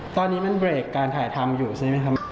ตอนนี้มันเบรกการถ่ายทำอยู่ใช่ไหมครับ